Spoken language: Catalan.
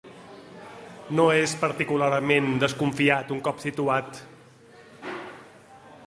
No és particularment desconfiat, un cop situat.